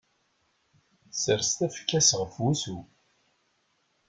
Tessers tafekka-s ɣef wussu.